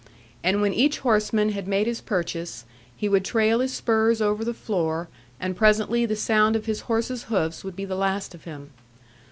And when each horseman had made his purchase, he would trail his spurs over the floor, and presently the sound of his horse's hoofs would be the last of him.